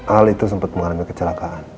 al itu sempat mengalami kecelakaan